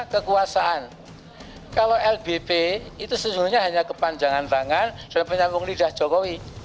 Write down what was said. kekuasaan kalau lbp itu sejujurnya hanya kepanjangan tangan dan penyambung lidah jokowi